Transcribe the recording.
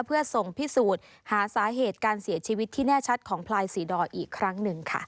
เพื่อส่งพิสูจน์หาสาเหตุการเสียชีวิตที่แน่ชัดของพลายศรีดอร์อีกครั้งหนึ่งค่ะ